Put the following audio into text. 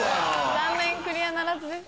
残念クリアならずです。